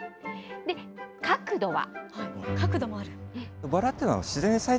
で、角度は。